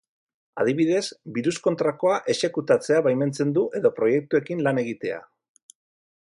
Adibidez, birus-kontrakoa exekutatzea baimentzen du edo proiektuekin lan egitea.